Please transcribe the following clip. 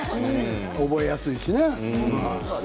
覚えやすいしね。